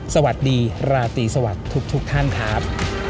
สวัสดีราตรีสวัสดีทุกท่านครับ